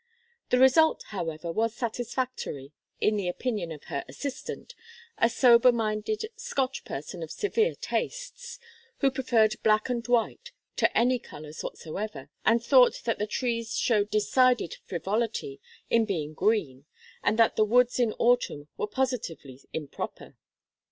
The result, however, was satisfactory in the opinion of her assistant, a sober minded Scotch person of severe tastes, who preferred black and white to any colours whatsoever, and thought that the trees showed decided frivolity in being green, and that the woods in autumn were positively improper.